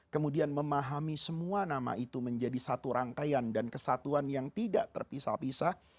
kemudian memahami semua nama itu menjadi satu rangkaian dan kesatuan yang tidak terpisah pisah